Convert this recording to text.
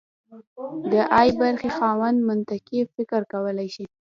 د ای برخې خاوند منطقي فکر کولی شي.